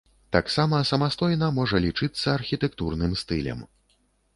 Таксама самастойна можа лічыцца архітэктурным стылем.